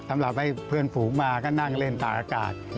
สำหรับให้เพื่อนฝูงมาก็นั่งเล่นตากอากาศ